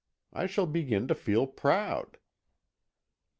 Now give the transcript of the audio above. I shall begin to feel proud."